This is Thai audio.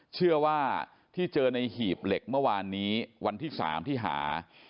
เชื่อว่าที่เจอในหีบเหล็กเมื่อวานนี้วันที่๓ที่หา